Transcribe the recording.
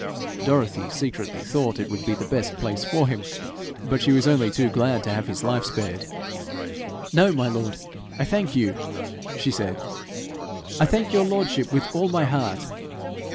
Dorothy secretly thought it would be the best place for him, but she was only too glad to have his life spared. 'No, my lord, I thank you,' she said. ' I thank your lordship with all my heart.'